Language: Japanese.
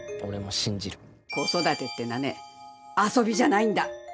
子育てってのはね遊びじゃないんだ。